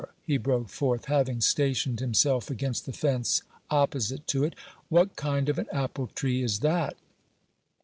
he broke forth, having stationed himself against the fence opposite to it; "what kind of an apple tree is that?"